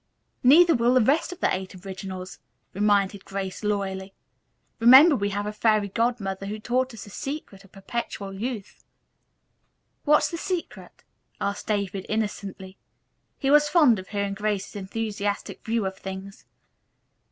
"Neither will the rest of the Eight Originals," reminded Grace loyally. "Remember, we have a Fairy Godmother who has taught us the secret of perpetual youth." "What's the secret?" asked David innocently. He was fond of hearing Grace's enthusiastic views of things.